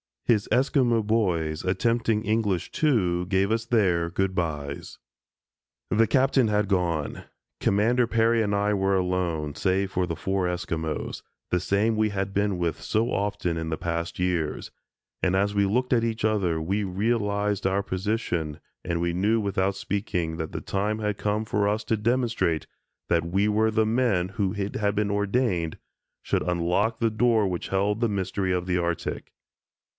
His Esquimo boys, attempting English, too, gave us their "Good bys." The Captain had gone. Commander Peary and I were alone (save for the four Esquimos), the same we had been with so often in the past years, and as we looked at each other we realized our position and we knew without speaking that the time had come for us to demonstrate that we were the men who it had been ordained, should unlock the door which held the mystery of the Arctic.